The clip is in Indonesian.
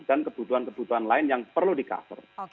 dan kebutuhan kebutuhan lain yang perlu di cover